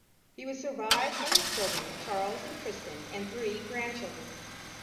He was survived by his children, Charles and Kristin, and three grandchildren.